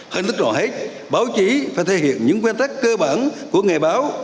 hình thức rõ hết báo chí phải thể hiện những nguyên tắc cơ bản của nghề báo